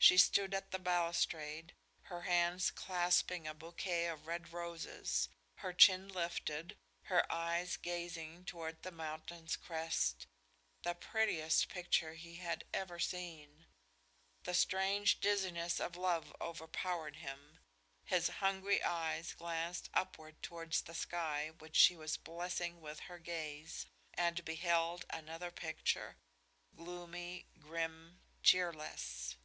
She stood at the balustrade, her hands clasping a bouquet of red roses, her chin lifted, her eyes gazing toward the mountain's crest, the prettiest picture he had ever seen. The strange dizziness of love overpowered him. His hungry eyes glanced upward towards the sky which she was blessing with her gaze, and beheld another picture, gloomy, grim, cheerless.